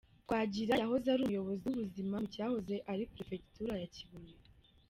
Twagira yahoze ari umuyobozi w’ubuzima mu cyahoze ari Perefegitura ya Kibuye.